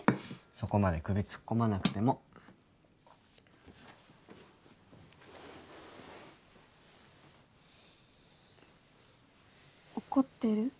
そこまで首つっこまなくても怒ってる？